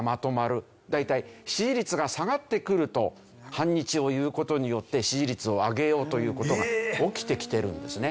大体支持率が下がってくると反日を言う事によって支持率を上げようという事が起きてきてるんですね。